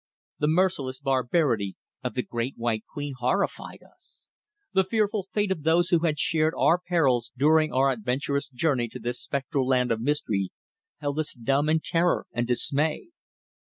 The merciless barbarity of the Great White Queen horrified us. The fearful fate of those who had shared our perils during our adventurous journey to this spectral land of mystery held us dumb in terror and dismay.